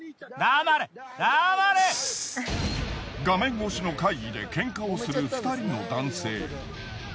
画面越しの会議で喧嘩をする２人の男性。